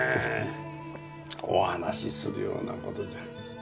お話しするような事じゃ。